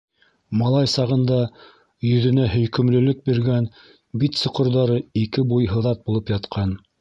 Малай сағында йөҙөнә һөйкөмлөлөк биргән бит соҡорҙары ике буй һыҙат булып ятҡан.